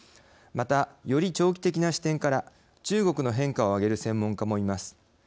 また、より長期的な視点から中国の変化を挙げる専門家もいます。